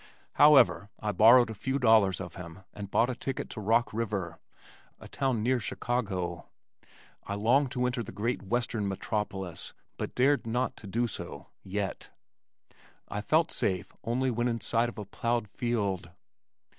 However, I borrowed a few dollars of him and bought a ticket to Rock River, a town near Chicago. I longed to enter the great western metropolis, but dared not do so yet. I felt safe only when in sight of a plowed field.